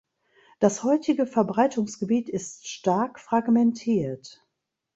Das heutige Verbreitungsgebiet ist stark fragmentiert.